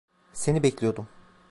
Seni bekliyordum.